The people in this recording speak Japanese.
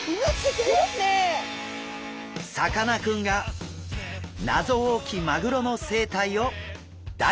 さかなクンが謎多きマグロの生態を大調査！